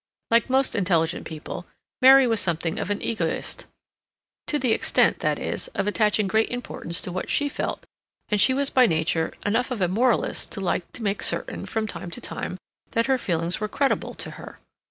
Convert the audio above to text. Like most intelligent people, Mary was something of an egoist, to the extent, that is, of attaching great importance to what she felt, and she was by nature enough of a moralist to like to make certain, from time to time, that her feelings were creditable to her.